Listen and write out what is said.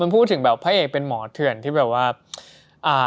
พูดถึงแบบพระเอกเป็นหมอเถื่อนที่แบบว่าอ่า